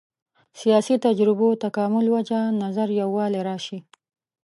سیاسي تجربو تکامل وجه نظر یووالی راشي.